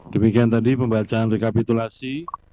demikian tadi pembacaan rekapitulasi